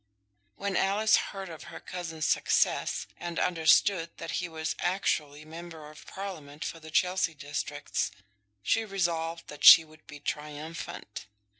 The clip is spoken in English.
When Alice heard of her cousin's success, and understood that he was actually Member of Parliament for the Chelsea Districts, she resolved that she would be triumphant.